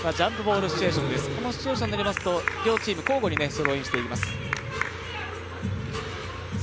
このシチュエーションになりますと、両チーム交互にスローインをしていきます。